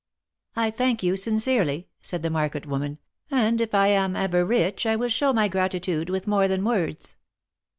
thank you sincerely," said the market woman, '^and if I am ever rich I will show my gratitude with more than words."